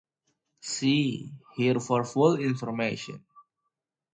See here for full information.